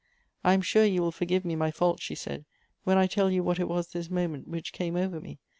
" I am sure you will forgive me my fault," she said, " when I tell you what it was this moment which came over me.